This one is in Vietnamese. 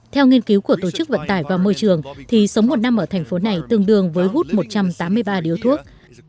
theo nghiên cứu của tổ chức vận tải và môi trường thì sống một năm ở thành phố này tương đương với hút một trăm tám mươi ba điếu thuốc